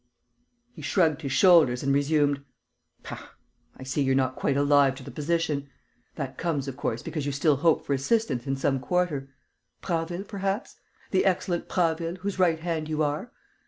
He shrugged his shoulders and resumed: "Pah, I see you're not quite alive to the position. That comes, of course, because you still hope for assistance in some quarter. Prasville, perhaps? The excellent Prasville, whose right hand you are....